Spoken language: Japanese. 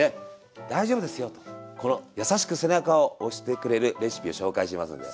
大丈夫ですよとこのやさしく背中を押してくれるレシピを紹介しますんで。